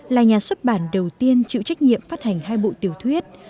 là nhà xuất bản đầu tiên chịu trách nhiệm phát hành hai bộ tiểu thuyết